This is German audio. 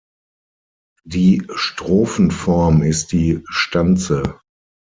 Die Strophenform ist die Stanze.